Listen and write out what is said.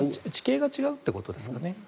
地形が違うってことですね。